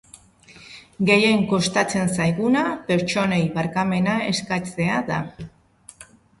Gehien kostatzen zaiguna pertsonei barkamena eskatzea da.